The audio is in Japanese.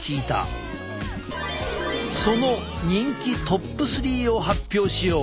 その人気ＴＯＰ３を発表しよう！